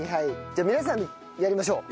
じゃあ皆さんやりましょう。